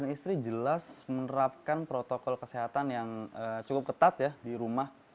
komitmen saya dan istri jelas menerapkan protokol kesehatan yang cukup ketat ya di rumah